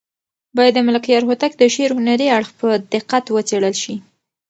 باید د ملکیار هوتک د شعر هنري اړخ په دقت وڅېړل شي.